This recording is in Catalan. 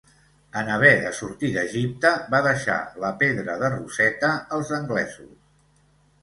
En haver de sortir d'Egipte va deixar la pedra de Roseta als anglesos.